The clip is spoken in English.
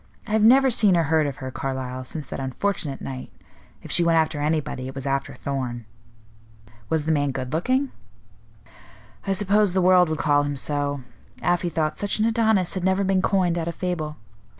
I have never seen or heard of her, Carlyle, since that unfortunate night. If she went after anybody, it was after Thorn." "Was the man good looking?" "I suppose the world would call him so. Afy thought such an Adonis had never been coined, out of fable.